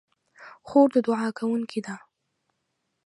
خور د دعا کوونکې ده.